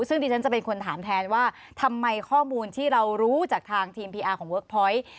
ซึ่งดิฉันจะเป็นคนถามแทนว่าทำไมข้อมูลที่เรารู้จากทางทีมพีอาร์ของเวิร์คพอยต์